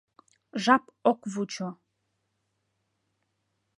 Жап ок вучо.